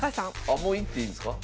あもう言っていいんですか？